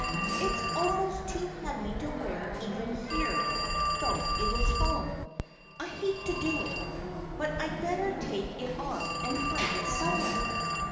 "It's almost too heavy to wear even here, though it is fall. I hate to do it; but I'd better take it off and hide it somewhere.